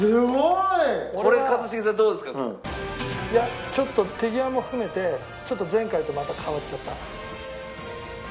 いやちょっと手際も含めてちょっと前回とまた変わっちゃった。